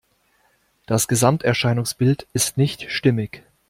Das Gesamterscheinungsbild ist nicht stimmig.